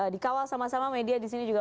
di kawal sama sama media disini juga